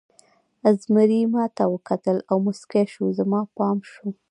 زمري ما ته وکتل او موسکی شو، زما پام شو.